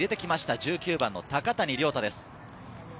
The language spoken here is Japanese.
１９番の高谷遼太です。